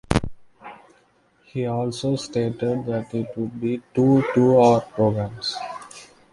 He also stated that it would be two two-hour programs.